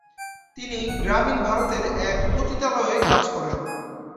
তিনি গ্রামীণ ভারতের এক পতিতালয়ে কাজ করেন।